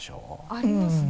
ありますね。